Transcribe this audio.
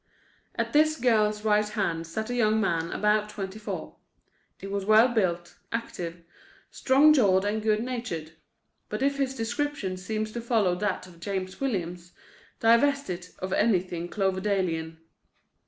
At this girl's right hand sat a young man about twenty four. He was well built, active, strong jawed and good natured. But if his description seems to follow that of James Williams, divest it of anything Cloverdalian.